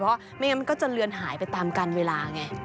เพราะไม่งั้นมันก็จะเลือนหายไปตามการเวลาไง